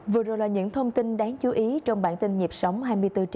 vừa rồi là những thông tin đáng chú ý trong bản tin nhịp sóng hai mươi bốn h bảy